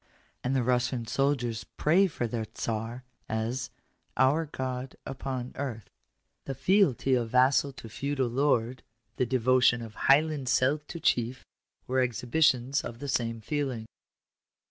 And the Russian soldiers pray for their Czar as " our God upon earth." The fealty of vassal to feudal lord — the devotion of Highland Celt to chief—were exhibitions of the same feeling.